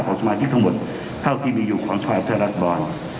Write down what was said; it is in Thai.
ของสมาธิกษ์ทั้งหมดเท่าที่มีอยู่ของสไฟร์ฟ์เหลือรัฐบรรย์